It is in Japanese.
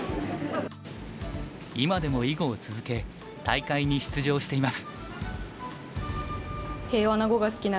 今でも囲碁を続け大会に出場しています。